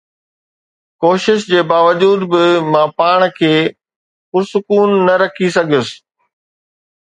ڪوشش جي باوجود به مان پاڻ کي پرسڪون رکي نه سگهيس.